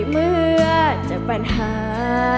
เมื่อเจอปัญหา